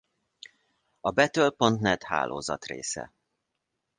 A Battle.net hálózat része.